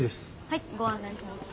はいご案内します。